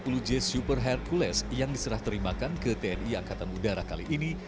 pesawat c satu ratus tiga puluh j super hercules yang diserah terimakan ke tni angkatan udara kali ini